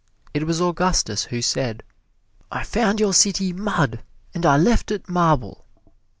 It was Augustus who said, "I found your city mud and I left it marble!"